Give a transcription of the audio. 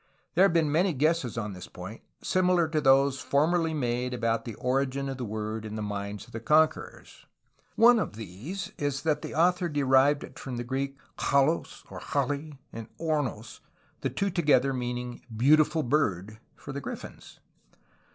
There have been many guesses on this point similar to those formerly made about the origin of the word in the minds of the conquerors. One of these is that the author derived it from the Greek xaXXoj, or xaXXt , and opvta, the two together meaning ''beautiful bird" — for the grifiins!